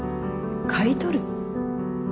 買い取る？